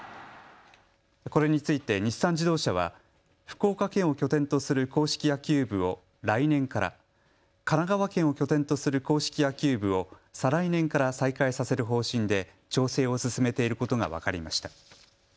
これについて日産自動車は福岡県を拠点とする硬式野球部を来年から、神奈川県を拠点とする硬式野球部を再来年から再開させる方針で調整を進めていることが分かりました。